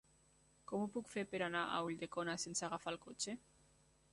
Com ho puc fer per anar a Ulldecona sense agafar el cotxe?